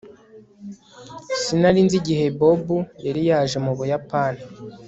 Sinari nzi igihe Bob yari yaje mu Buyapani